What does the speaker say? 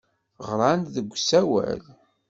Ɣran-d deg usawal.